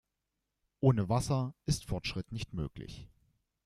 Ohne Wasser ist Fortschritt nicht möglich.